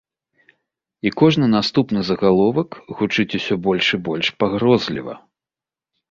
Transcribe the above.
І кожны наступны загаловак гучыць усё больш і больш пагрозліва.